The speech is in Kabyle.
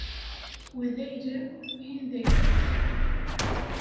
Wa d ayla-w, wihin d ayla-k.